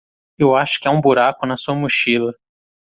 Eu acho que há um buraco na sua mochila.